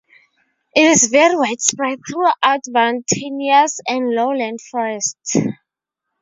It is very widespread throughout mountainous and lowland forests.